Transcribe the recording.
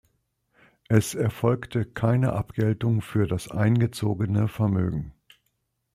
Es erfolgte keine Abgeltung für das eingezogene Vermögen.